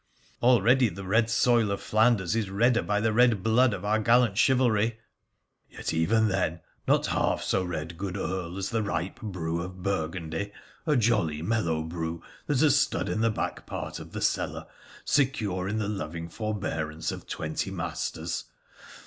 ' Already the red soil of Flanders is redder by the red blood of our gallant chivalry !'' Yet even then not half so red, good Earl, as the ripe brew of Burgundy — a jolly mellow brew that has stood in the back part of the cellar, secure in the loving forbearance of twenty masters.